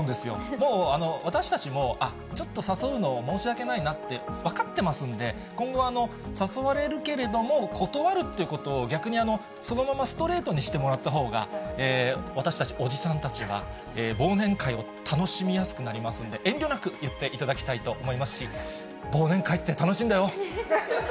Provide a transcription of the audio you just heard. もう私たちも、あっ、ちょっと誘うのを申し訳ないなって分かってますんで、今後、誘われるけれども、断るっていうことを、逆にそのままストレートにしてもらったほうが、私たちおじさんたちは、忘年会を楽しみやすくなりますので、遠慮なく言っていただきたいと思いますし、忘年会って楽しいんだよ。